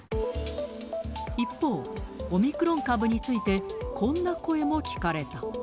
一方、オミクロン株について、こんな声も聞かれた。